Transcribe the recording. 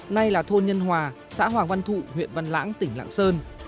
nay là thôn nhân hòa xã hoàng văn thụ huyện văn lãng tỉnh lạng sơn